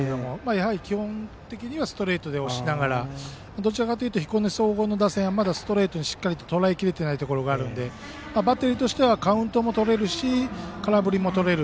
やはり基本的にはストレートで押しながらどちらかというと彦根総合の打線はストレートにしっかりとらえきれていないところがあるのでバッテリーとしてはカウントもとれるし空振りもとれる。